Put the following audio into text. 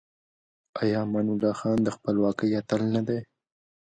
آیا امان الله خان د خپلواکۍ اتل نه دی؟